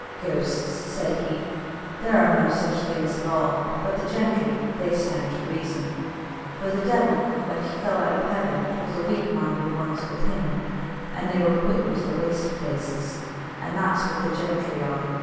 "Ghosts," said he; "there are no such things at all, at all, but the gentry, they stand to reason; for the devil, when he fell out of heaven, took the weak minded ones with him, and they were put into the waste places. And that's what the gentry are.